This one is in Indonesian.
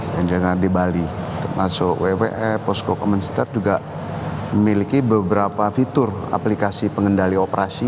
yang terdapat di bali termasuk wwe posco common center juga memiliki beberapa fitur aplikasi pengendali operasi